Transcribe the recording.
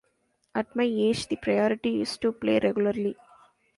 At my age, the priority is to play regularly.